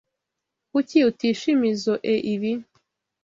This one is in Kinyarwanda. Kuki utishimizoe ibi?